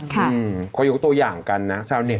เขายกตัวอย่างกันนะชาวเน็